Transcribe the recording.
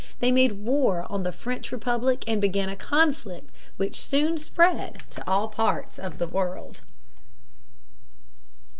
They made war on the French Republic and began a conflict which soon spread to all parts of the world.